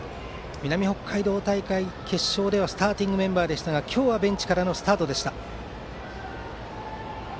南北海道大会決勝ではスターティングメンバーでしたが今日はベンチからのスタート。